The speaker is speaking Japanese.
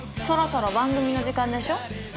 そろそろ番組の時間でしょ？